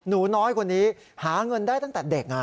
หนูน้อยคนนี้หาเงินได้ตั้งแต่เด็ก